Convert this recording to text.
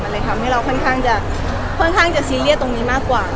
มันเลยทำให้เราค่อนข้างจะค่อนข้างจะซีเรียสตรงนี้มากกว่า